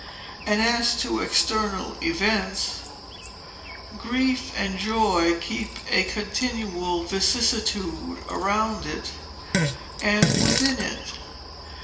And as to external events, Grief and Joy keep a continual vicissitude around it and within it.